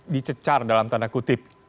dicecar dalam tanda kutip